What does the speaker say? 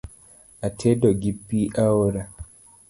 Atedo gi pii aora